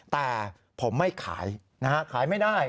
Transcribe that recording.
แต่ผมไม่ขายนะฮะขายไม่ได้